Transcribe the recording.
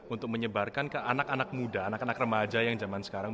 untuk menyebarkan ke anak anak muda anak anak remaja yang zaman sekarang